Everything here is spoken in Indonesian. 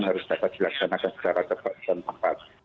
harus dapat dilaksanakan secara tepat